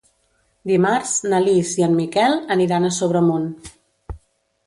Dimarts na Lis i en Miquel aniran a Sobremunt.